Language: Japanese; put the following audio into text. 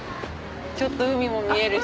ちょっと海も見えるし。